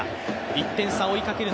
１点差を追いかける